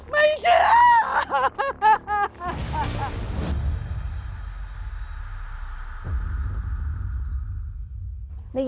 วันนี้จะเป็นตอนที่นายมาใช้สำคัญคนสังคมและดีจริง